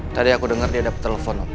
tadi aku dengar dia dapat telepon